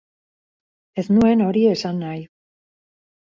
Ez nuen hori esan nahi.